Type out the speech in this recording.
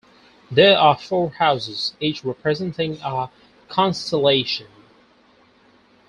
There are four houses, each representing a constellation.